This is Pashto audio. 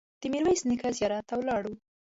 د میرویس نیکه زیارت ته ولاړو.